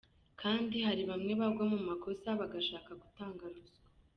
Kandi hari bamwe bagwa mu makosa bagashaka gutanga ruswa.